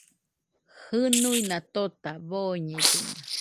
Jɨnuina tota boñellena.